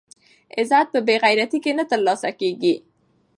عزت په بې غیرتۍ کې نه ترلاسه کېږي.